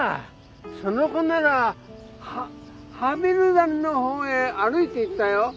その子ならハミルナンのほうへ歩いていったよ。